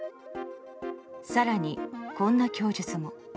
更に、こんな供述も。